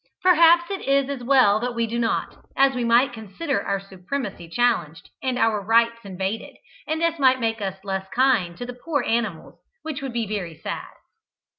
Perhaps it is as well we do not, as we might consider our supremacy challenged and our rights invaded, and this might make us less kind to the poor animals, which would be very sad.